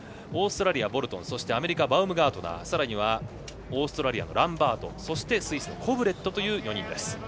オーストラリア、ボルトンアメリカバウムガートナーオーストラリアのランバートそしてスイスのコブレットという４人です。